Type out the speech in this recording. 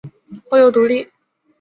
后又独立。